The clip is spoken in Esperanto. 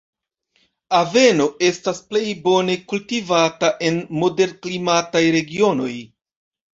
Aveno estas plej bone kultivata en moderklimataj regionoj.